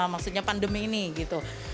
maksudnya pandemi ini gitu